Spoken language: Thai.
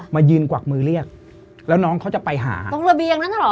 มายืนกวักมือเรียกแล้วน้องเขาจะไปหาตรงระเบียงนั้นเหรอ